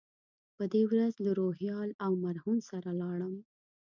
په دې ورځ له روهیال او مرهون سره لاړم.